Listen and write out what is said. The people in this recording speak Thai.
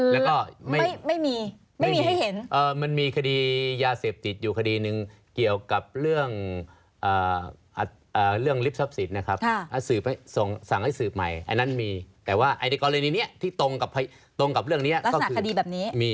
แล้วก็มันมีคดียาเสพติดอยู่คดีหนึ่งเกี่ยวกับเรื่องอ่าเหลืองลิฟซับสิทธ์นะครับ